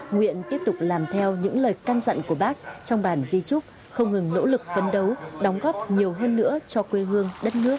nguyện tiếp tục làm theo những lời can dặn của bác trong bản di trúc không ngừng nỗ lực phấn đấu đóng góp nhiều hơn nữa cho quê hương đất nước